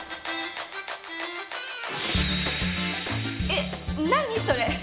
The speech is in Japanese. えっ何それ？